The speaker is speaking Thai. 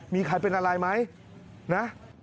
มีใครเป็นอะไรไหมนะ